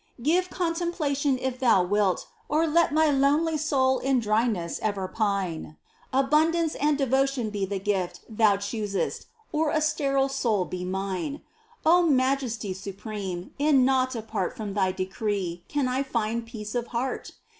í Give contemplation if Thou wilt, or let My lonely soul in dryness ever pine ; Abundance and devotion be the gift Thou choosest, or a sterile soul be mine ! Majesty supreme, in naught apart From Thy decree can I find peace of heart